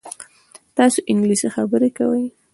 تاسو انګلیسي خبرې کوئ؟